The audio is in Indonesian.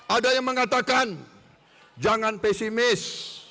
ada yang mengatakan jangan pesimis